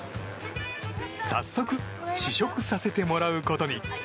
早速、試食させてもらうことに。